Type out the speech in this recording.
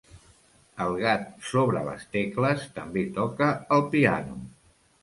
El gat sobre les tecles també toca el piano.